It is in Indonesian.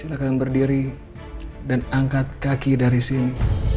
silahkan berdiri dan angkat kaki dari sini